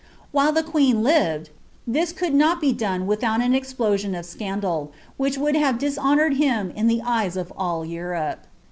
While the qown lived, this could not be done without an explosion of scandal, wliich would have dishonoured him in the eyes of all Europe.